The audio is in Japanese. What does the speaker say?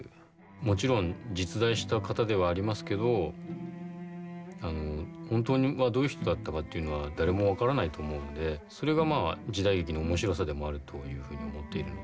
もちろん実在した方ではありますけど本当はどういう人だったかっていうのは誰も分からないと思うんでそれがまあ時代劇の面白さでもあるというふうに思っているんで